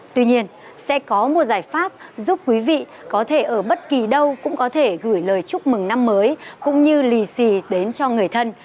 tuy nhiên sẽ có một giải pháp giúp quý vị có thể ở bất kỳ đâu cũng có thể gửi lời chúc mừng năm mới cũng như lì xì đến cho người thân